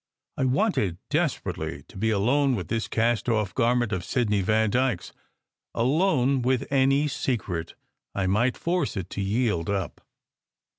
I wanted desperately to be alone with this cast off garment of Sidney Vandyke s alone with any secret I might force it to yield up.